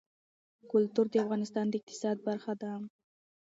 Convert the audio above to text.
کلتور د افغانستان د اقتصاد برخه ده.